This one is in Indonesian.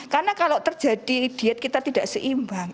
karena kalau terjadi diet kita tidak seimbang